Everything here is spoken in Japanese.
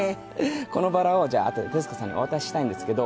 このバラをじゃああとで徹子さんにお渡ししたいんですけど。